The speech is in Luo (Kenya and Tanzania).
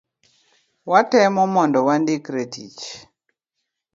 watemo mondo wandikre tich.